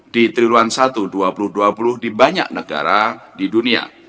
di triwulan satu dua ribu dua puluh di banyak negara di dunia